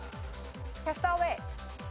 『キャスト・アウェイ』。